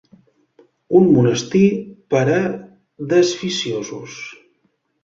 Un monestir per a desficiosos.